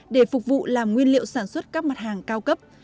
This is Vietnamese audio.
để phục vụ làm nguyên liệu sản xuất các mặt hàng cao cấp